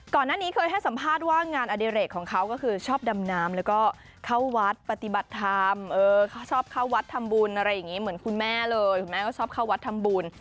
ก่อนหน้านี้เคยให้สัมภาษณ์ว่างานอดิเรกของเขาก็คือชอบดำน้ำแล้วก็เข้าวัดปฏิบัติธรรมเขาชอบเข้าวัดทำบุญอะไรอย่างนี้เหมือนคุณแม่เลยคุณแม่ก็ชอบเข้าวัดทำบุญ